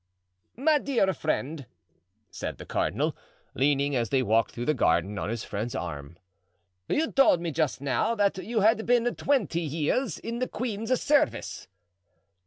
"My dear friend," said the cardinal, leaning, as they walked through the garden, on his friend's arm, "you told me just now that you had been twenty years in the queen's service."